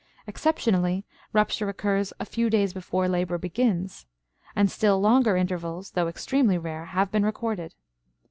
Exceptionally, rupture occurs a few days before labor begins; and still longer intervals, though extremely rare, have been recorded.